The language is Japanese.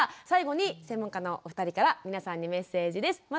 最後に専門家のお二人から皆さんにメッセージです。